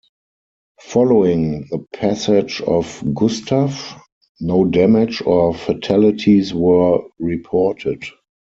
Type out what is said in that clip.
Following the passage of Gustav, no damage or fatalities were reported.